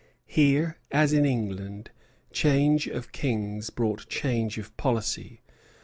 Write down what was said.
Here, as in England, change of kings brought change of policy.